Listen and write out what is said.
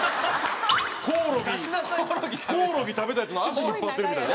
コオロギコオロギ食べたやつの脚引っ張ってるみたいな。